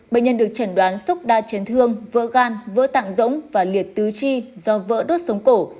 bệnh nhân được chẩn đoán sốc đa chấn thương vỡ gan vỡ tạng rỗng và liệt tứ chi do vỡ đốt sống cổ